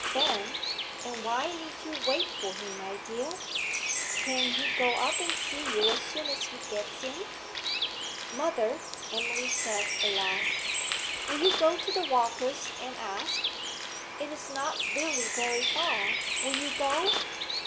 Then, 'And why need you wait for him, my dear? Can't he go up and see you as soon as he gets in?' 'Mother,' Emily said at last, 'will you go to the Walkers' and ask? It is not really very far. Will you go?'